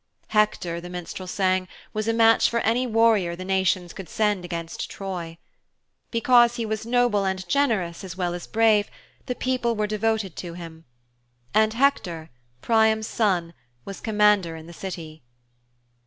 Hector, the minstrel sang, was a match for any warrior the nations could send against Troy. Because he was noble and generous as well as brave, the people were devoted to him. And Hector, Priam's son, was commander in the City.